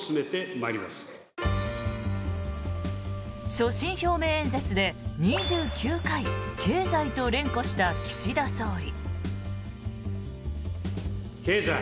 所信表明演説で２９回経済と連呼した岸田総理。